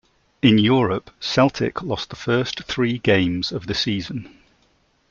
In Europe, Celtic lost the first three games of the season.